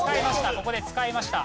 ここで使いました。